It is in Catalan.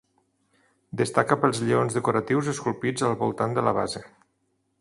Destaca pels lleons decoratius esculpits al voltant de la base.